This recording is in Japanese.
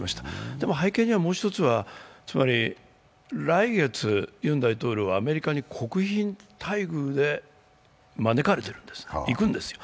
でも、背景にはもう一つは、来月ユン大統領はアメリカに国賓待遇で招かれているんです、行くんです。